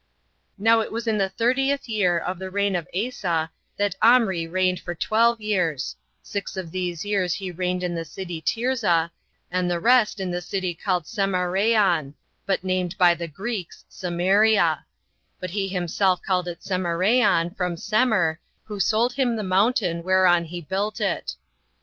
Now it was in the thirtieth year of the reign of Asa that Omri reigned for twelve years; six of these years he reigned in the city Tirzah, and the rest in the city called Semareon, but named by the Greeks Samaria; but he himself called it Semareon, from Semer, who sold him the mountain whereon he built it.